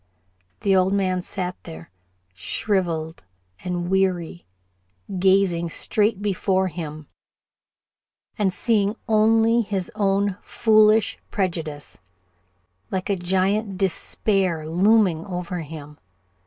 The old man sat there, shriveled and weary gazing straight before him, and seeing only his own foolish prejudice, like a Giant Despair, looming over him.